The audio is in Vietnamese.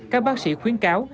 các bác sĩ khuyến cáo